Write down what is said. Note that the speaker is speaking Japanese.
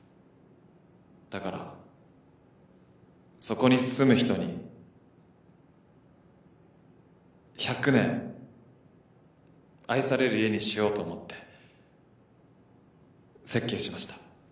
だからそこに住む人に１００年愛される家にしようと思って設計しました。